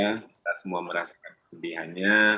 kita semua merasakan kesedihannya